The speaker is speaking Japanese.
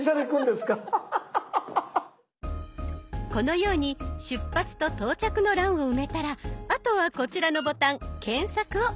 このように出発と到着の欄を埋めたらあとはこちらのボタン「検索」を押します。